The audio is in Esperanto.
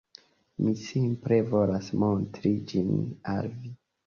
Mi simple volas montri ĝin al vi